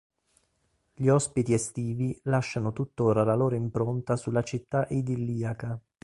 Gli ospiti estivi lasciano tuttora la loro impronta sulla città idilliaca.